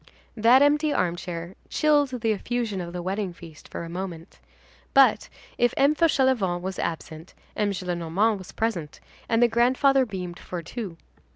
That empty armchair chilled the effusion of the wedding feast for a moment. But, if M. Fauchelevent was absent, M. Gillenormand was present, and the grandfather beamed for two.